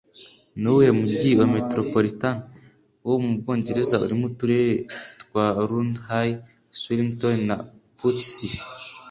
Nuwuhe mujyi wa Metropolitan wo mu Bwongereza urimo Uturere twa Roundhay, Swillington na Pudsey?